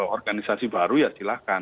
organisasi baru ya silahkan